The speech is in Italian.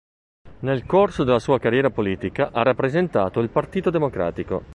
Nel corso della sua carriera politica ha rappresentato il Partito Democratico.